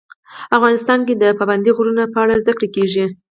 افغانستان کې د پابندي غرونو په اړه زده کړه کېږي.